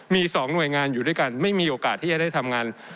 มี๒หน่วยงานอยู่ด้วยกันไม่มีโอกาสที่จะได้ทำงาน